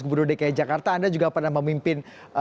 gubernur dki jakarta anda juga pernah memimpin